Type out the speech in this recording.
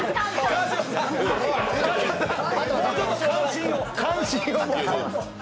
川島さん、もうちょっと関心を。